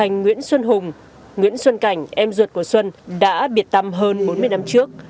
anh nguyễn xuân hùng nguyễn xuân cảnh em ruột của xuân đã biệt tâm hơn bốn mươi năm trước